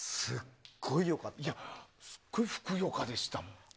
すごくふくよかでした。